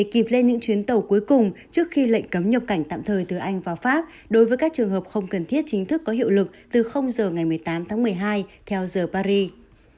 kịp lên những chuyến tàu cuối cùng trước khi lệnh cấm nhập cảnh tạm thời từ anh vào pháp đối với các trường hợp không cần thiết chính thức có hiệu lực từ giờ ngày một mươi tám tháng một mươi hai theo giờ paris